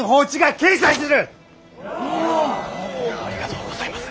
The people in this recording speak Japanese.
ありがとうございます！